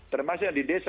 termasuk yang di desa